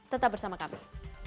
tetap bersama kami